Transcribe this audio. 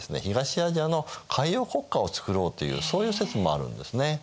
東アジアの海洋国家を作ろうというそういう説もあるんですね。